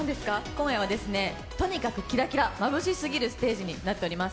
今夜はとにかくキラキラ、まぶしすぎるステージになっています。